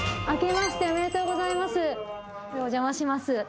お邪魔します。